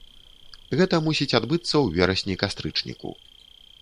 Гэта мусіць адбыцца ў верасні-кастрычніку.